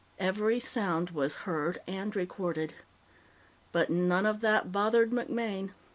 Every sound was heard and recorded. But none of that bothered MacMaine.